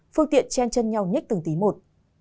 phương tiện chen chân nhau nhích từng tí một